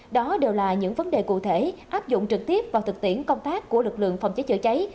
đó đều là những vấn đề cụ thể áp dụng trực tiếp vào thực tiễn công tác của lực lượng phòng cháy chữa cháy